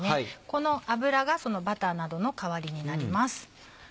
この油がバターなどの代わりになります。